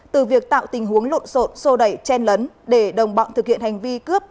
từ việc tạo tình huống lộn sộn sô đẩy chen lấn để đồng bọng thực hiện hành vi cướp